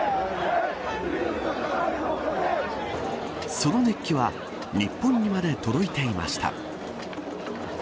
その熱気は日本にまで届いていました。